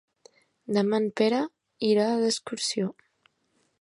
Demà en Pere irà d'excursió.